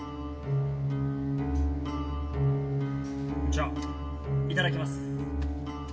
じゃあいただきます。